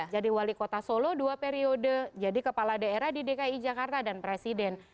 jadi wali kota solo dua periode jadi kepala daerah di dki jakarta dan presiden